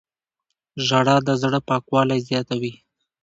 • ژړا د زړه پاکوالی زیاتوي.